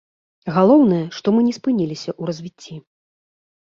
Галоўнае, што мы не спыніліся ў развіцці.